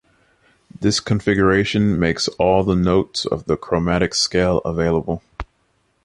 This configuration makes all the notes of the chromatic scale available.